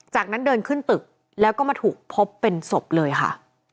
จากนั้นเดินขึ้นตึกแล้วก็มาถูกพบเป็นศพเลยค่ะ